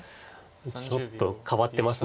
ちょっと変わってます